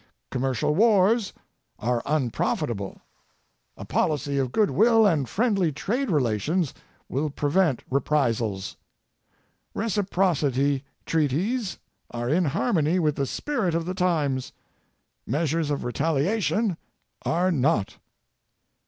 Commercial wars are unprofitable. A policy of good will and friendly trade relations will prevent reprisals. Reciprocity treaties are in harmony with the spirit of the times; measures of retaliation are not.